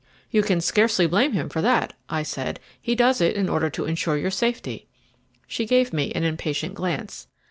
"You can scarcely blame him for that," I said; "he does it in order to ensure your safety." She gave me an impatient glance.